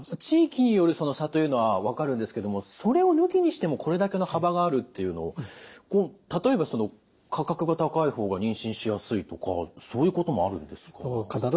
地域による差というのは分かるんですけどもそれを抜きにしてもこれだけの幅があるっていうのを例えば価格が高い方が妊娠しやすいとかそういうこともあるんですか？